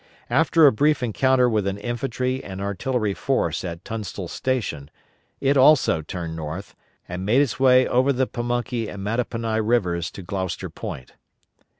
After a brief encounter with an infantry and artillery force at Tunstall's Station, it also turned north, and made its way over the Pamunkey and Mattapony rivers to Gloucester Point.